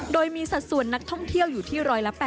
โดยมีสัดส่วนนักท่องเที่ยวอยู่ที่๑๘๐